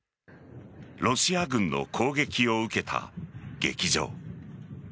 ロシア軍の攻撃を受けた劇場。